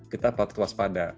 kita patut waspada